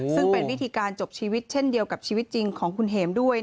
ซึ่งเป็นวิธีการจบชีวิตเช่นเดียวกับชีวิตจริงของคุณเห็มด้วย